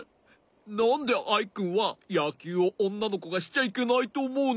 なんでアイくんはやきゅうをおんなのこがしちゃいけないとおもうの？